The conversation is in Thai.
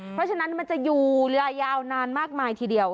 เพราะฉะนั้นมันจะอยู่เรือยาวนานมากมายทีเดียว